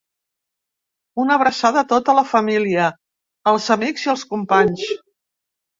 Una abraçada a tota la família, als amics i als companys.